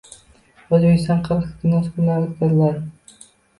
O‘zbekistonda Qirg‘iz kinosi kunlari o‘tkaziladi